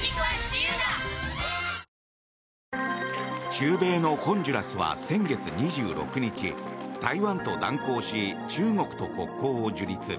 中米のホンジュラスは先月２６日台湾と断交し中国と国交を樹立。